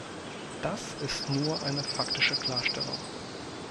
Das ist nur eine faktische Klarstellung.